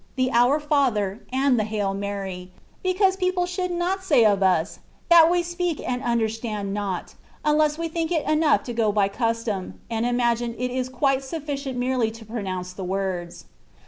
the ^^ Our Father, and the Hail Mary ;^' because people should not say of us, that we speak and understand not, unless we think it enough to go by custom, and imagine it is quite sufficient merely to pronounce the words.